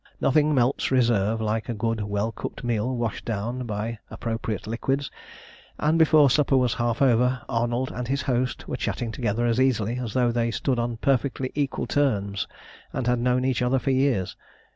Nothing melts reserve like a good well cooked meal washed down by appropriate liquids, and before supper was half over Arnold and his host were chatting together as easily as though they stood on perfectly equal terms and had known each other for years.